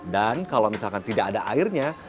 dan kalau misalkan tidak ada airnya